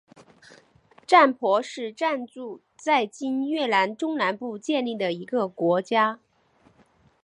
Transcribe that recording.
占婆是占族在今越南中南部建立的一个国家。